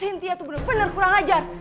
sintia tuh bener bener kurang ajar